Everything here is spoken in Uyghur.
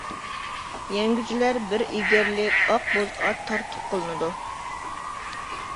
يەڭگۈچىلەر بىر ئېگەرلىك ئاق بوز ئات تارتۇق قىلىنىدۇ.